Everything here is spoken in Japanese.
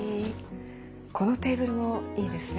このテーブルもいいですね。